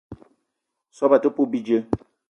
Soobo te poup bidjeu.